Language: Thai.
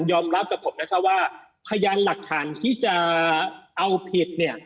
ยอมรับว่าพยายามหลักฐานที่จะเอาผิด